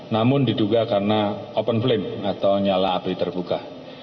namun diduga karena open flame atau nyala api terbuka